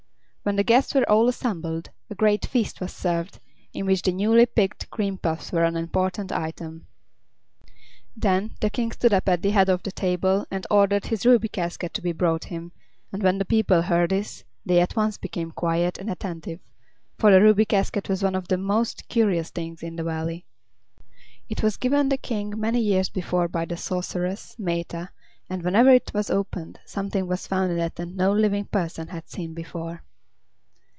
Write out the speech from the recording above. When the guests were all assembled a grand feast was served, in which the newly picked cream puffs were an important item. Then the King stood up at the head of the table and ordered his ruby casket to be brought him, and when the people heard this they at once became quiet and attentive, for the Ruby Casket was one of the most curious things in the Valley. It was given the King many years before by the sorceress, Maetta, and whenever it was opened something was found in it that no living person had seen before.